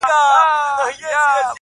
په وينو لژنده اغيار وچاته څه وركوي”